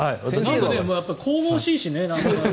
神々しいしね。